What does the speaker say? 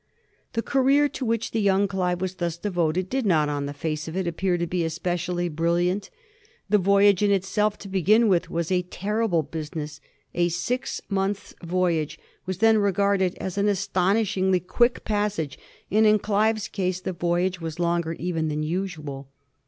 The career to which the young Clive was thus devoted did not, on the face of it, appear to be especially brilliant. The voyage in itself,_to begin with, was a terrible busi ness; a six months' voyage was then regarded as an as tonishingly quick passage, and in Olive's case the voyage was longer even than usual.